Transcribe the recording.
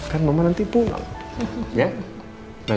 sekarang makannya dihabisin habisnya sekolah